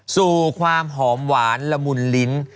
สู่ความหอมหวานละมุนลิ้น